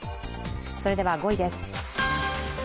それでは５位です。